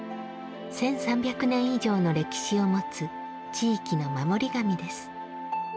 １３００年以上の歴史を持つ地域の守り神です。